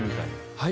はい。